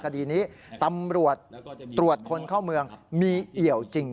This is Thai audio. คดีนี้ตำรวจตรวจคนเข้าเมืองมีเอี่ยวจริง